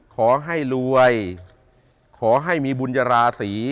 ขอให้รวยขอให้มีบุญราศี